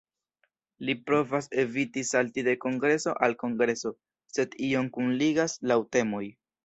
Li provas eviti salti de kongreso al kongreso, sed iom kunligas laŭ temoj.